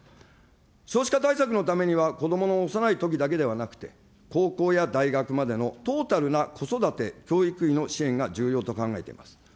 少子化対策のためには、こどもの幼いときだけではなくて、高校や大学までのトータルな子育て教育費の支援が重要と考えています。